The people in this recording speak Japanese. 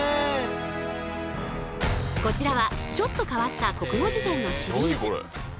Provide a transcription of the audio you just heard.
こちらはちょっと変わった国語辞典のシリーズ。